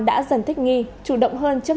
đã dần thích nghi chủ động hơn trước